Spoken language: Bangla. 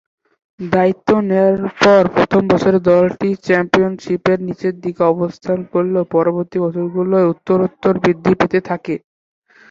দায়িত্ব নেয়ার পর প্রথম বছরে দলটি চ্যাম্পিয়নশীপের নিচেরদিকে অবস্থান করলেও পরবর্তী বছরগুলোয় উত্তরোত্তর বৃদ্ধি পেতে থাকে।